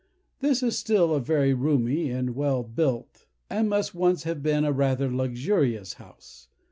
This is still a very roomy and well built, and must once have been a rather luxurious house.